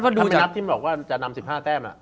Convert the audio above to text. ทำไมนับที่มันบอกว่าจะนำ๑๕แต้ม